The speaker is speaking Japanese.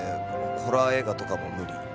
ホラー映画とかも無理。